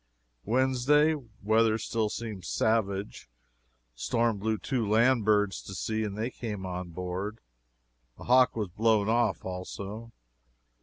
"Wednesday Weather still very savage. Storm blew two land birds to sea, and they came on board. A hawk was blown off, also.